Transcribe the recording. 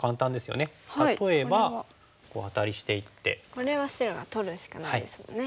これは白が取るしかないですもんね。